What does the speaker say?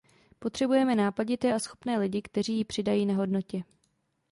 Potřebujeme nápadité a schopné lidi, kteří jí přidají na hodnotě.